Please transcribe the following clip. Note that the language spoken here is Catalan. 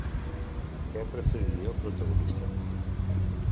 Què preferiria el protagonista?